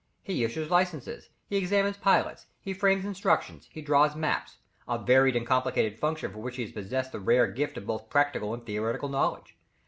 He issues licences, he examines pilots, he frames instructions, he draws maps, a varied and complicated function for which he possessed the rare gift of both practical and theoretical knowledge.